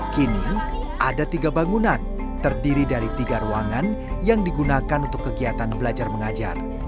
kini ada tiga bangunan terdiri dari tiga ruangan yang digunakan untuk kegiatan belajar mengajar